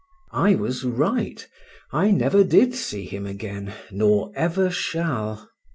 I was right; I never did see him again, nor ever shall.